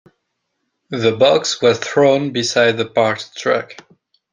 The box was thrown beside the parked truck.